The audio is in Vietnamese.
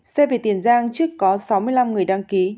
c về tiền giang trước có sáu mươi năm người đăng ký